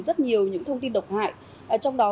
rất nhiều những thông tin độc hại trong đó